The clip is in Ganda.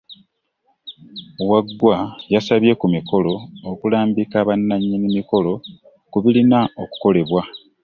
Waggwa yasabye ku mikolo okulambika bannannyini mikolo ku birina okukolebwa